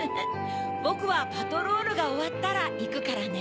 ぼくはパトロールがおわったらいくからね。